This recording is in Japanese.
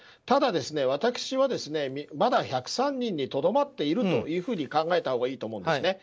ただ、私はまだ１０３人にとどまっているというふうに考えたほうがいいと思います。